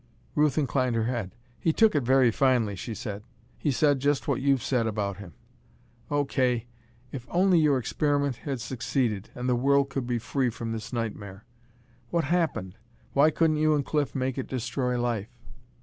Ruth inclined her head. "He took it very finely," she said. "He said just what you've said about him. Oh, Kay, if only your experiment had succeeded, and the world could be free of this nightmare! What happened? Why couldn't you and Cliff make it destroy life?"